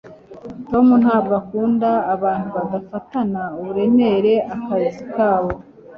tom ntabwo akunda abantu badafatana uburemere akazi kabo